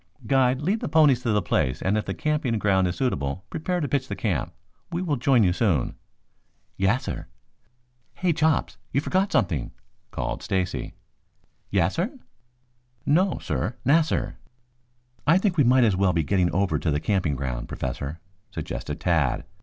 "Guide, lead the ponies to the place, and if the camping ground is suitable, prepare to pitch the camp. We will join you soon." "Yassir." "Hey, Chops, you forgot something," called Stacy. "Yassir?" "No, sir, 'nassir.'" "I think we might as well be getting over to the camping ground, Professor," suggested Tad.